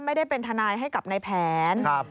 ไม่ได้เป็นทนายให้กับนายแผน